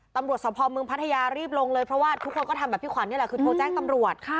ตำรวจสภเมืองพัทยารีบลงเลยเพราะว่าทุกคนก็ทำแบบพี่ขวัญนี่แหละคือโทรแจ้งตำรวจ